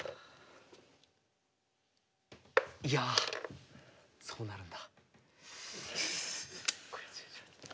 いやそうなるんだ。